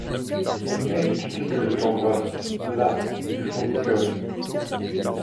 Mérites-tu que je t’embrasse, la, du fond du cœur ?